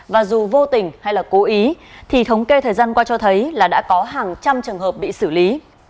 và dù vô tình hay là cố ý thì thống kê thời gian qua cho thấy là đã có hàng trăm trường hợp bị xử lý